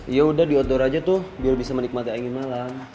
ya udah di outdoor aja tuh biar bisa menikmati angin malam